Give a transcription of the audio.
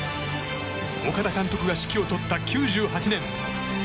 岡田監督が指揮を執った９８年。